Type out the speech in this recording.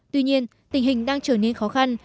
tuy nhiên tình hình đang trở nên khó khăn